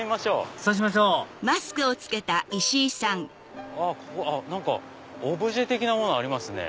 そうしましょうあっ何かオブジェ的なものありますね。